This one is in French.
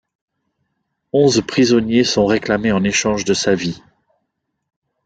Onze prisonniers sont réclamés en échange de sa vie.